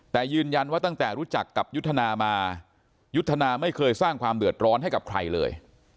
แต่ยืนยันว่าตั้งแต่รู้จักกับยุทธนามายุทธนาไม่เคยสร้างความเดือดร้อนให้กับใครเลย